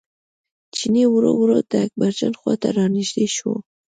چیني ورو ورو د اکبرجان خواته را نژدې شو.